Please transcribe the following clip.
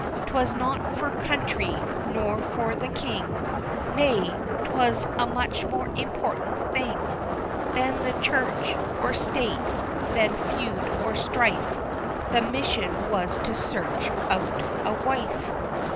'Twas not for country, nor for the King, Nay, 'twas a much more important thing Than the Church, or State, than feud or strife The mission was to search out a wife.